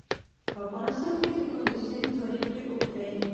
په افغانستان کې د کندز سیند تاریخ ډېر اوږد دی.